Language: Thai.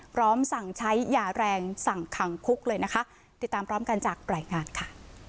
พร้อมสั่งใช้ยาแรงสั่งขังคุกเลยนะคะติดตามพร้อมกันจากรายงานค่ะ